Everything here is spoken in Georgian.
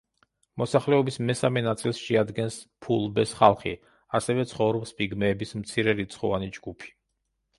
მოსახლეობის მესამე ნაწილს შეადგენს ფულბეს ხალხი, ასევე ცხოვრობს პიგმეების მცირერიცხოვანი ჯგუფი.